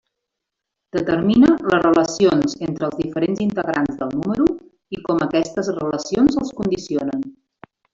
Determina les relacions entre els diferents integrants del número i com aquestes relacions els condicionen.